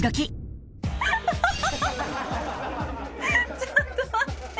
ちょっと待って。